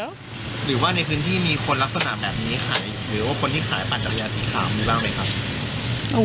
หรือว่าในพื้นที่มีคนลักษณะแบบนี้ขายหรือว่าคนที่ขายปั่นจักรยานสีขาวมีบ้างไหมครับ